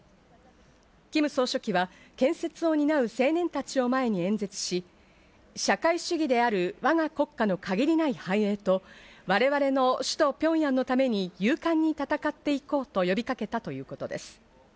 キム総書記は建設を担う青年たちを前に演説し、社会主義である我が国家の限りない繁栄と我々の首都平壌のために勇敢に戦って行こうと呼びかけたということです。